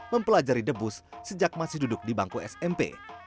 mempelajari debus sejak masih duduk di bangku smp